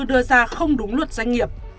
đưa ra không đúng luật doanh nghiệp